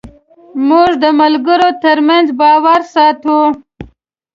موږ د ملګرو تر منځ باور ساتو.